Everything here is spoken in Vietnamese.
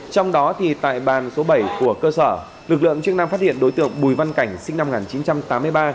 trong đó thì tại bàn số bảy của cơ sở lực lượng chức năng phát hiện đối tượng bùi văn cảnh sinh năm một nghìn chín trăm tám mươi ba